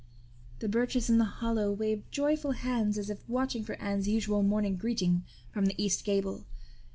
The birches in the hollow waved joyful hands as if watching for Anne's usual morning greeting from the east gable.